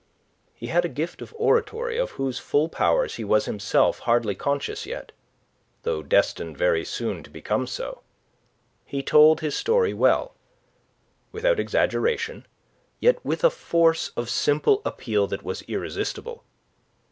He had a gift of oratory of whose full powers he was himself hardly conscious yet, though destined very soon to become so. He told his story well, without exaggeration, yet with a force of simple appeal that was irresistible.